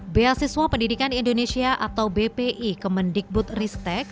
beasiswa pendidikan indonesia atau bpi kemendikbud ristek